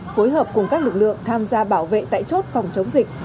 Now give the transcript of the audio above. phối hợp cùng các lực lượng tham gia bảo vệ tại chốt phòng chống dịch